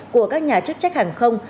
của các nhà chức trách hàng không